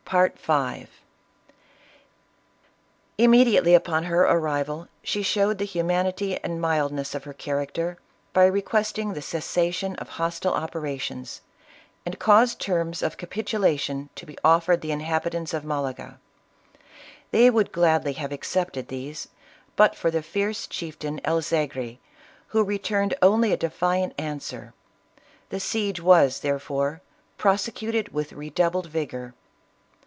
103 Immediately after her arrival, she showed the hu manity and mildness of her character, by requesting the cessation of hostile operations, and caused terms of capitulation to be offered the inhabitants of Malaga ; they would gladly have accepted these but for "the fierce chieftain El Zegri, who returned only a defiant answer. The siege was, therefore, prosecuted with redoubled vigor.